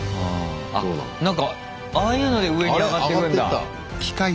あなんかああいうので上にあがってくんだ。